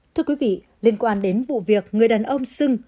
thưa quý vị liên quan đến vụ việc người đàn ông sưng